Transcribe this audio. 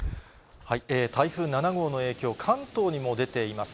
台風７号の影響、関東にも出ています。